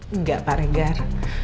enggak pak regar